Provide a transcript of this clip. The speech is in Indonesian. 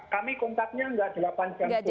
kami kontaknya nggak delapan jam sepuluh